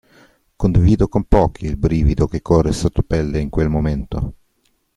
Condivido con pochi il brivido che corre sottopelle in quel momento.